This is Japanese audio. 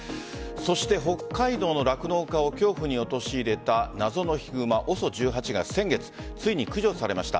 そして北海道の酪農家を恐怖に陥れた謎のヒグマ、ＯＳＯ１８が先月、ついに駆除されました。